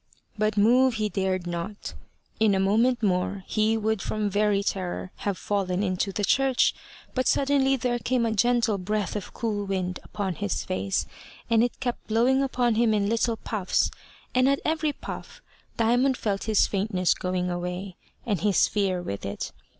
But move he dared not. In a moment more he would from very terror have fallen into the church, but suddenly there came a gentle breath of cool wind upon his face, and it kept blowing upon him in little puffs, and at every puff Diamond felt his faintness going away, and his fear with it.